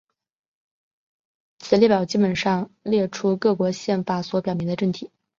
此列表基本上列出各国宪法所表明的政体。